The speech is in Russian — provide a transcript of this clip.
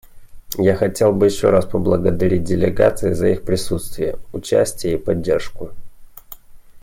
Я хотел бы еще раз поблагодарить делегации за их присутствие, участие и поддержку.